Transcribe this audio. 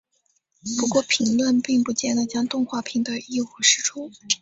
不过评论并不见得将动画评得一无是处。